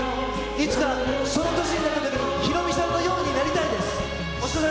いつかその年になったときに、ヒロミさんのようになりたいです。